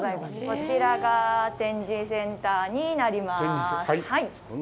こちらが展示センターになります。